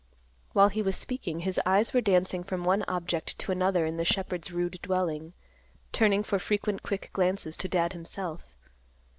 While he was speaking, his eyes were dancing from one object to another in the shepherd's rude dwelling, turning for frequent quick glances to Dad himself.